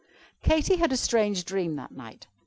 Katy had a strange dream that night.